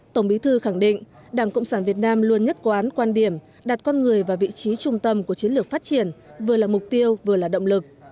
tổng bí thư khẳng định đảng cộng sản việt nam luôn nhất quán quan điểm đặt con người vào vị trí trung tâm của chiến lược phát triển vừa là mục tiêu vừa là động lực